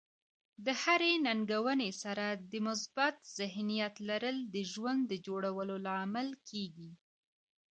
د هرې ننګونې سره د مثبت ذهنیت لرل د ژوند د جوړولو لامل کیږي.